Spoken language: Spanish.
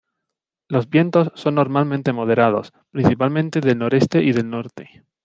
Los vientos son normalmente moderados, principalmente del noreste y del norte.